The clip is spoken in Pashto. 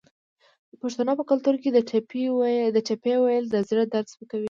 د پښتنو په کلتور کې د ټپې ویل د زړه درد سپکوي.